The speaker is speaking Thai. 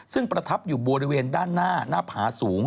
ซึ่งประทับอยู่บริเวณด้านหน้าหน้าผาสูง